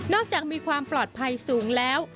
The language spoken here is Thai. จากมีความปลอดภัยสูงแล้ว